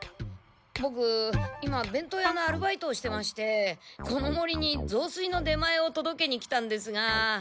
ボク今べんとう屋のアルバイトをしてましてこの森にぞうすいの出前を届けに来たんですが。